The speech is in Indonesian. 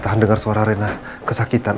tahan dengar suara renah kesakitan